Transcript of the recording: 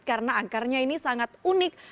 karena akarnya ini sangat unik